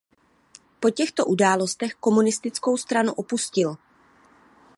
Po těchto událostech komunistickou stranu opustil.